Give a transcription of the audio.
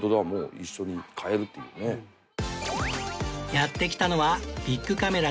やって来たのはビックカメラ